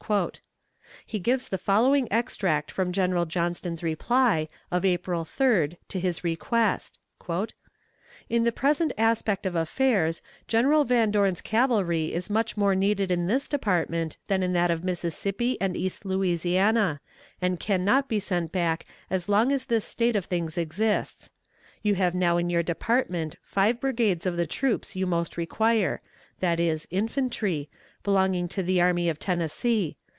He gives the following extract from General Johnston's reply of April 3d to his request: "In the present aspect of affairs, General Van Dorn's cavalry is much more needed in this department than in that of Mississippi and East Louisiana, and can not be sent back as long as this state of things exists. You have now in your department five brigades of the troops you most require, viz., infantry, belonging to the Army of Tennessee.